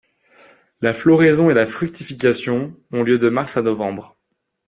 La floraison et la fructification ont lieu de mars à novembre.